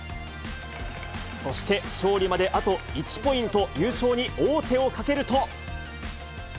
そして勝利まであと１ポイント、優勝に王手をかけると。